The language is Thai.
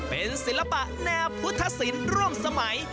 เป็นศิลปะแนวพุทธศิลป์ร่วมสมัย